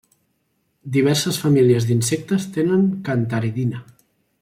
Diverses famílies d'insectes tenen cantaridina.